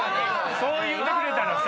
そう言うてくれたらさ。